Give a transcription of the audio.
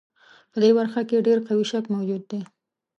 په دې برخه کې ډېر قوي شک موجود دی.